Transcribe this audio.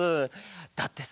だってさ